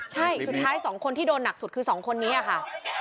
ใช่สุดท้าย๒คนที่โดนหนักสุดคือ๒คนนี้ค่ะ